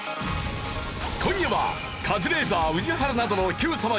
今夜はカズレーザー宇治原などの『Ｑさま！！』